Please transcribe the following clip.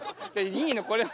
いいのこれは。